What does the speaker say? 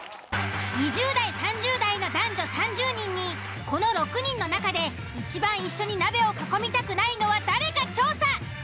２０代３０代の男女３０人にこの６人の中でいちばん一緒に鍋を囲みたくないのは誰か調査。